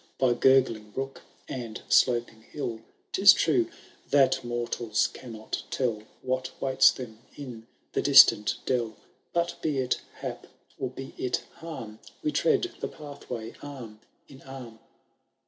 By gurgling brook and sloping hill. TTis true, that mortals cannot tell What waits them in the distant dell ; But be it hap, or be it harm. We tread the pathiray arm in arm.